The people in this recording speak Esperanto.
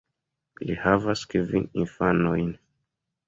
Li havas kvin infanojn.